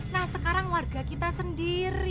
nah sekarang warga kita sendiri